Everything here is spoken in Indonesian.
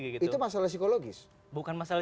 itu masalah psikologis bukan masalah